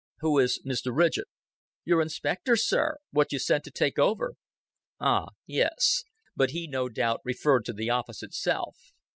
"Who is Mr. Ridgett?" "Your inspector, sir what you sent to take over." "Ah, yes. But he no doubt referred to the office itself.